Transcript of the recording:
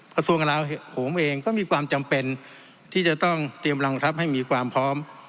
ส่วนข้างแล้วผมเองก็มีความจำเป็นที่จะต้องเตรียมกำลังคับให้มีความพร้อม